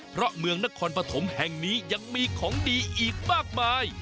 การประถมแห่งนี้ยังมีของดีอีกมากมาย